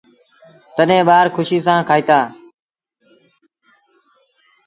تڏهيݩ ٻآر کُشيٚ سآݩ کائيٚݩدآ۔